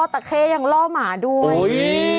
ตะเคยังล่อหมาด้วย